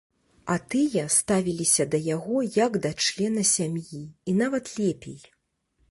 А тыя ставіліся да яго, як да члена сям'і і нават лепей.